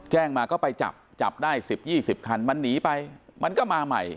แจ้งมาก็ไปจับจับได้๑๐๒๐คันมันหนีไปมันก็มาใหม่